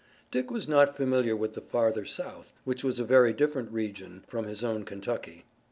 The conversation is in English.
Dick was not familiar with the farther South, which was a very different region from his own Kentucky.